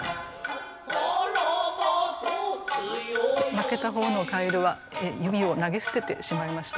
負けた方の蛙は弓を投げ捨ててしまいました。